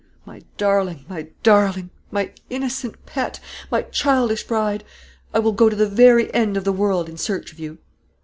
My darling, my darling, my innocent pet, my childish bride; I will go to the very end of the world in search of you."